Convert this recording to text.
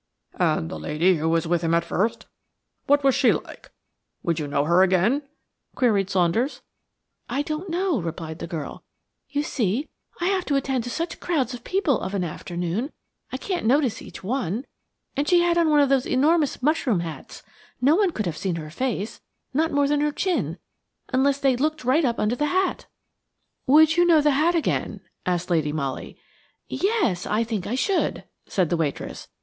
"And the lady who was with him at first, what was she like? Would you know her again?" queried Saunders. "I don't know," replied the girl; "you see, I have to attend to such crowds of people of an afternoon, I can't notice each one. And she had on one of those enormous mushroom hats; no one could have seen her face–not more than her chin–unless they looked right under the hat." "Would you know the hat again?" asked Lady Molly. "Yes–I think I should," said the waitress.